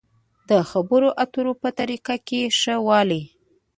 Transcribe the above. د خبرو اترو په طريقه کې ښه والی.